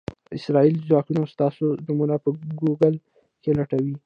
اسرائیلي ځواکونه ستاسو نومونه په ګوګل کې لټوي.